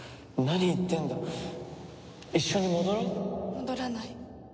戻らない。